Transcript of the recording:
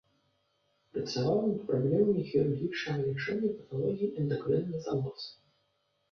Працаваў над праблемамі хірургічнага лячэння паталогіі эндакрынных залоз.